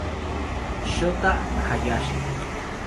Shota Hayashi